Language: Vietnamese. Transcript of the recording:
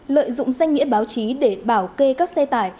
lợi dụng danh nghĩa báo chí để bảo kê các xe tải